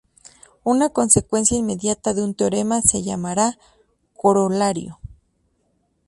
Una consecuencia inmediata de un teorema se llamará corolario.